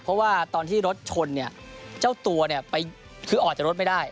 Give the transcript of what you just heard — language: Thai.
เพราะว่าตอนที่รถชนเจ้าตัวออกจากรถไม่ได้